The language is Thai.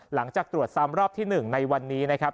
หลังจากตรวจซ้ำรอบที่๑ในวันนี้นะครับ